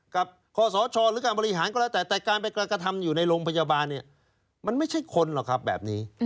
ขอสชหรือการบริหารก็แล้วแต่แต่การไปกระทำอยู่ในโรงพยาบาลเนี่ยมันไม่ใช่คนหรอกครับแบบนี้